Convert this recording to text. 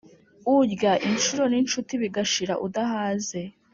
Urya inshuro n’incuti bigashira udahaze.